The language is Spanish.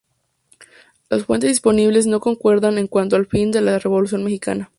Las fuentes disponibles no concuerdan en cuanto al fin de la Revolución mexicana.